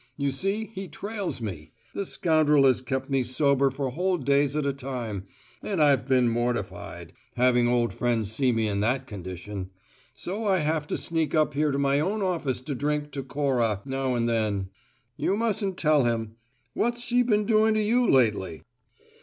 You see, he trails me; the scoundrel has kept me sober for whole days at a time, and I've been mortified, having old friends see me in that condition; so I have to sneak up here to my own office to drink to Cora, now and then. You mustn't tell him. What's she been doing to you, lately?"